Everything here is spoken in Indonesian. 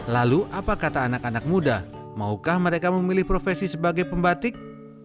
lalu apa kata anak anak muda maukah mereka memilih profesi sebagai pembatik